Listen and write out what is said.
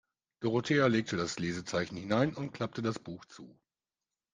Dorothea legte das Lesezeichen hinein und klappte das Buch zu.